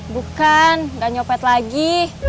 bukan gak nyopet lagi